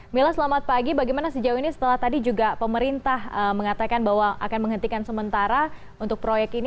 mila selamat pagi bagaimana sejauh ini setelah tadi juga pemerintah mengatakan bahwa akan menghentikan sementara untuk proyek ini